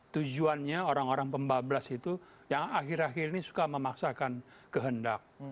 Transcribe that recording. tujuannya orang orang pembablas itu yang akhir akhir ini suka memaksakan kehendak